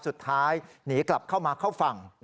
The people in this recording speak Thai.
สุดท้ายหนีกลับเข้ามาเข้าฝั่ง